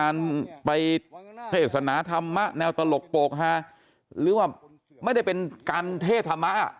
การไปเทศนาธรรมะแนวตลกโปรกฮาหรือว่าไม่ได้เป็นการเทศธรรมะ